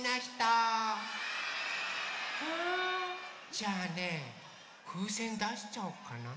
じゃあねふうせんだしちゃおうかな。